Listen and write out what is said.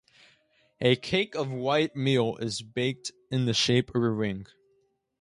A cake of white meal is baked in the shape of a ring.